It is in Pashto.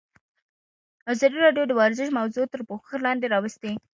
ازادي راډیو د ورزش موضوع تر پوښښ لاندې راوستې.